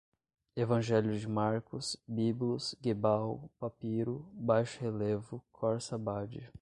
Evangelho de Marcos, Biblos, Gebal, papiro, baixo-relevo, Corsabade